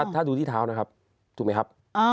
ถ้าดูที่เท้านะครับถูกไหมครับ